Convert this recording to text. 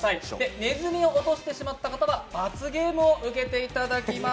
ネズミを落としてしまった方は罰ゲームを受けていただきます！